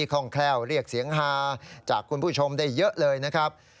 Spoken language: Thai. คล่องแคล่วเรียกเสียงฮาจากคุณผู้ชมได้เยอะเลยนะครับ